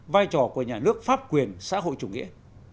vai trò của nhà nước pháp quyền xã hội chủ nghĩa